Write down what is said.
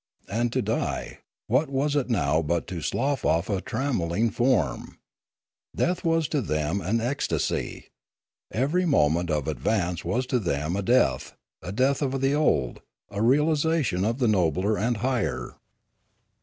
And to die, — what was it now but to slough off a trammelling form? Death was to them an ecstasy. Every moment of advance was to them a death, a death of the old, a realisation of the nobler and higher.